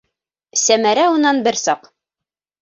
Сәмәрә унан бер саҡ: